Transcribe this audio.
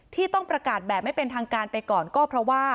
ที่ต้องประกาศแบบไม่เป็นทางการไปก่อนก็เพราะว่า